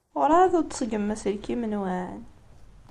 Werɛad ur d-tṣeggmem aselklim-nwen?